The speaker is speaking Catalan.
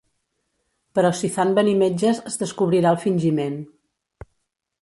Però si fan venir metges es descobrirà el fingiment.